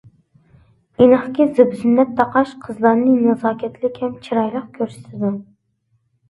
ئېنىقكى، زىبۇ-زىننەت تاقاش قىزلارنى نازاكەتلىك ھەم چىرايلىق كۆرسىتىدۇ.